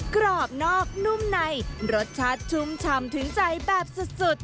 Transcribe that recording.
กรอบนอกนุ่มในรสชาติชุ่มชำถึงใจแบบสุด